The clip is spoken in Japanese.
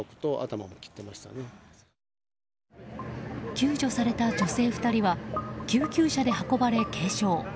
救助された女性２人は救急車で運ばれ軽傷。